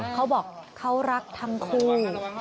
เขาบอกเขารักทั้งคู่